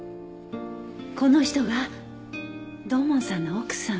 この人が土門さんの奥さん。